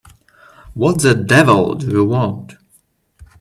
What the devil do you want?